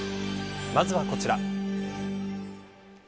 まずは、こちら。